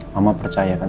mama percaya kan